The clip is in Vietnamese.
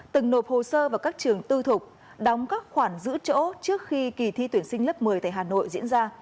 từng nộp hồ sơ vào các trường tư thục đóng các khoản giữ chỗ trước khi kỳ thi tuyển sinh lớp một mươi tại hà nội diễn ra